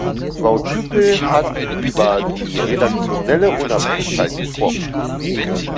Frau Trüpel hat über die redaktionelle Unabhängigkeit gesprochen.